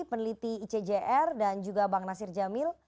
peneliti icjr dan juga bang nasir jamil